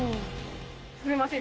すみません